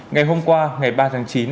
ngày hôm qua ngày ba tháng chín